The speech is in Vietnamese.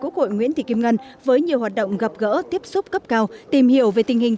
quốc hội nguyễn thị kim ngân với nhiều hoạt động gặp gỡ tiếp xúc cấp cao tìm hiểu về tình hình